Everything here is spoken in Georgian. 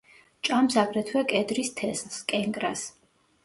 ჭამს აგრეთვე კედრის თესლს, კენკრას.